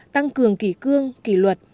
tăng cường kỷ cương kỷ luật